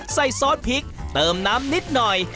ซอสพริกเติมน้ำนิดหน่อย